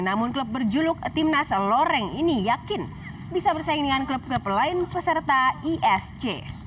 namun klub berjuluk timnas loreng ini yakin bisa bersaing dengan klub klub lain peserta isc